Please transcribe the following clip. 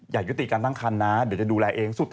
อย่ายุติการตั้งคันนะเดี๋ยวจะดูแลเองสุด